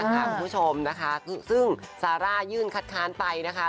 คุณผู้ชมนะคะซึ่งซาร่ายื่นคัดค้านไปนะคะ